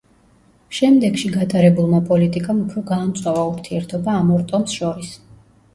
შემდეგში გატარებულმა პოლიტიკამ უფრო გაამწვავა ურთიერთობა ამ ორ ტომს შორის.